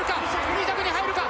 ２着に入るか？